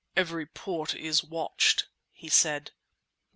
"Every port is watched," he said.